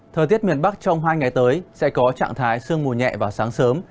thời tiết miền bắc trong hai ngày tới sẽ có trạng thái sương mù nhẹ vào sáng sớm